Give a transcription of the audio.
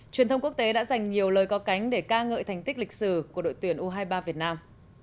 truyền thông quốc tế đã dành nhiều lời co cánh để ca ngợi thành tích lịch sử của đội tuyển u hai mươi ba việt nam